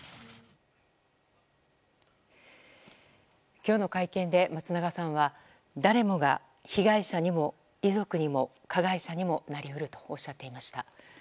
今日の会見で、松永さんは誰もが被害者にも、遺族にも加害者にもなり得るとおっしゃっていました。